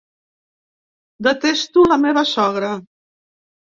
Detesto la meva sogra.